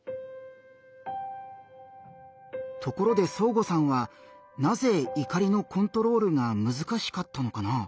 ところでそーごさんはなぜ怒りのコントロールがむずかしかったのかな？